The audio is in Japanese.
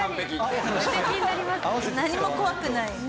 何も怖くない。